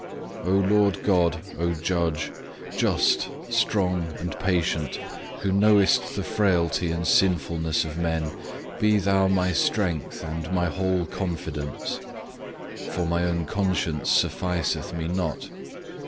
5. O Lord God, O Judge, just, strong, and patient, who knowest the frailty and sinfulness of men, be Thou my strength and my whole confidence; for my own conscience sufficeth me not.